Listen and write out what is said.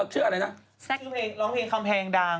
สุดให้ร้องเพียงของแหงดัง